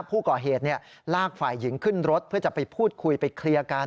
ผู้ก่อเหตุลากฝ่ายหญิงขึ้นรถเพื่อจะไปพูดคุยไปเคลียร์กัน